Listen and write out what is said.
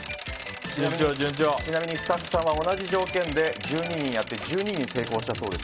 ちなみにスタッフさんは同じ条件で１２人やって１２人成功したそうです。